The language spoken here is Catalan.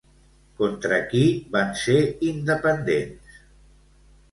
Contra qui van ser independents?